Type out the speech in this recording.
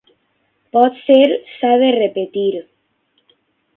Potser s'ha de repetir.